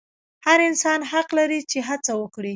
هر انسان حق لري چې هڅه وکړي.